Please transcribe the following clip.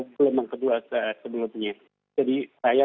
gelombang kedua sebelumnya jadi saya